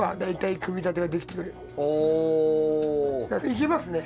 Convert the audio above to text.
いけますね。